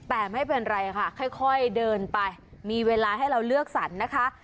แต่ไม่เป็นไรค่ะค่อยเดินไปมีเวลาให้เราเลือกสรรนะคะ